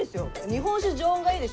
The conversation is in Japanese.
日本酒常温がいいでしょ？